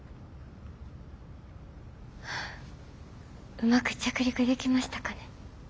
うまく着陸できましたかね？